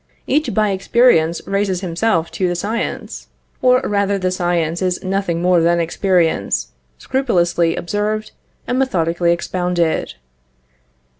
Each by experience raises himself to the science; or rather the science is nothing more than experience, scrupulously observed and methodically expounded.